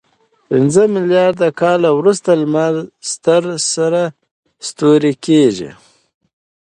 پنځه میلیارد کاله وروسته لمر ستر سره ستوری کېږي.